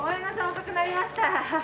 遅くなりました。